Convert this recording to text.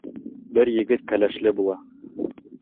Бер егет кәләшле була.